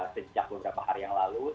sejak beberapa hari yang lalu